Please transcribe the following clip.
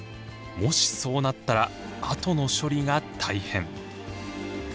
もしそうなったらあとの処理が大変。